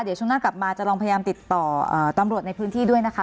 เดี๋ยวช่วงหน้ากลับมาจะลองพยายามติดต่อตำรวจในพื้นที่ด้วยนะคะ